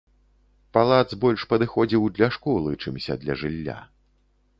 Палац больш падыходзіў для школы, чымся для жылля.